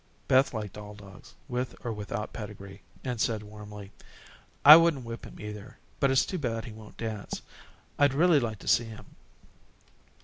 Beth liked all dogs, with or without pedigree, and said warmly: "I wouldn't whip him either, but it's too bad he won't dance. I'd really like to see him."